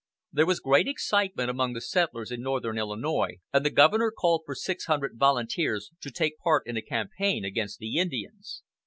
There was great excitement among the settlers in Northern Illinois, and the governor called for six hundred volunteers to take part in a campaign against the Indians.